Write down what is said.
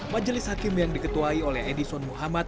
majelis hakim yang diketuai oleh edison muhammad